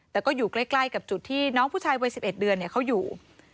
แต่ก็อยู่ใกล้กับจุดที่น้องผู้ชายวัย๑๑เดือนเขาอยู่